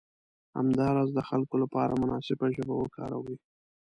همداراز د خلکو لپاره مناسبه ژبه وکاروئ.